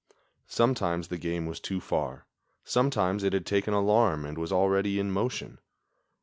Sometimes the game was too far; sometimes it had taken alarm and was already in motion.